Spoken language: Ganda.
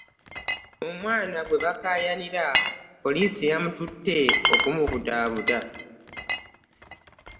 Omwana gwa bakaayanira poliisi yamututte okumu budaabuda.